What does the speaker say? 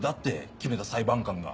決めた裁判官が。